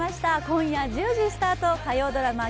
今夜１０時スタート火曜ドラマ